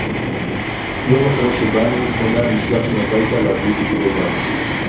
יוֹם אַחֲרֵי שֶבָּאנוּ הֵנָה נִשְלַחְנוּ הַבַּיְתָה לְהָבִיא בִגְדִי יָם